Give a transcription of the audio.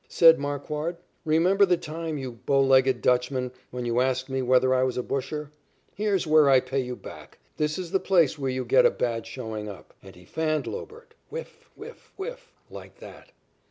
Said Marquard: "Remember the time, you bow legged Dutchman, when you asked me whether I was a busher? Here is where I pay you back. This is the place where you get a bad showing up." And he fanned Lobert whiff! whiff! whiff! like that.